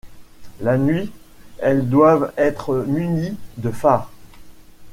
La nuit, elles doivent être munies de phares.